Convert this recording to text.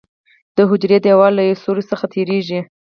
د حجروي دیوال له یو سوري څخه تېریږي.